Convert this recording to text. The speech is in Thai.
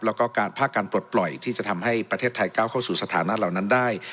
แล้วก็การภาคการปลดปล่อยที่จะทำให้ประเทศไทยก้าวเข้าสู่สถานะเหล่านั้นได้